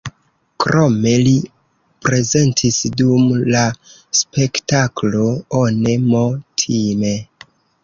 Krome li prezentis dum la spektaklo "One Mo’ Time".